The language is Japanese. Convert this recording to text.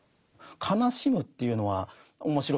悲しむというのは面白いですよね。